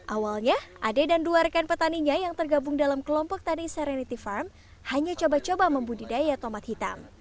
awalnya ade dan dua rekan petaninya yang tergabung dalam kelompok tani cerenity farm hanya coba coba membudidaya tomat hitam